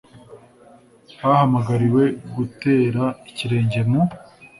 bahamagariwe, tugera ikirenge mu